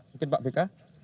mungkin pak bk